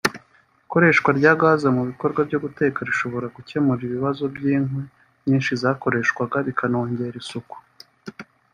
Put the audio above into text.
Ikoreshwa rya gas mu bikorwa byo guteka rishobora gukemura ibibazo by’inkwi nyinshi zakoreshwaga bikanongera isuku